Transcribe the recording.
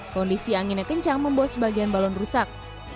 kondisi anginnya kencang membuat sebagian balon rusak